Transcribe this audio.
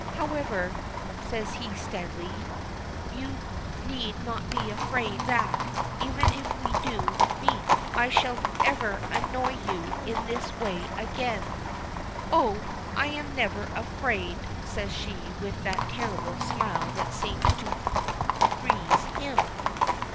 "However," says he, steadily, "you need not be afraid that, even if we do meet, I shall ever annoy you in this way again " "Oh, I am never afraid," says she, with that terrible smile that seems to freeze him.